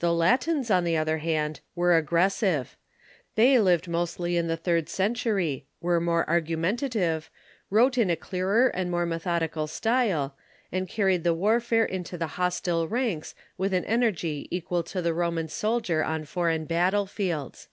The Latins, on the other hand, were aggressive. They lived mostly in the third centur}^, Avere more argumentative, wrote in a clearer and more methodical style, and carried the warfare into the hostile ranks with an enero y equal to the Roman soldier on foreign battle fields.